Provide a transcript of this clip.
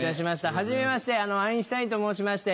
はじめましてアインシュタインと申しまして。